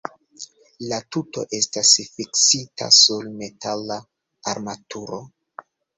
La tuto estas fiksita sur metala armaturo.